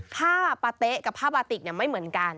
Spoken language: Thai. ภาพปะเตะกับภาพปะติกไม่เหมือนกัน